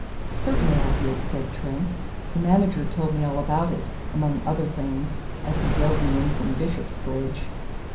"Certainly I did," said Trent. "The manager told me all about it, among other things, as he drove me in from Bishopsbridge."